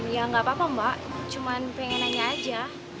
ya nggak apa apa mbak cuma pengen nanya aja